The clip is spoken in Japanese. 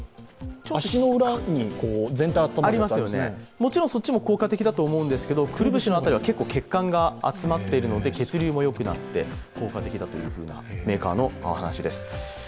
足の裏にもちろんそっちも効果的だと思うんですけど、くるぶしの辺りは血管が集まっているので、血流もよくなって効果的だというメーカーのお話です。